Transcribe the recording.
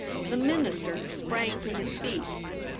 The Minister sprang to his feet.